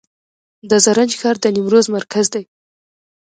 د زرنج ښار د نیمروز مرکز دی